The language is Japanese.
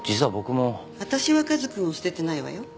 私は和君を捨ててないわよ。